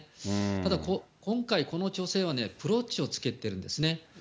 ただ、今回、この女性はね、ブローチをつけてるんですね。